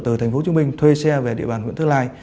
từ tp hcm thuê xe về địa bàn huyện thứ lai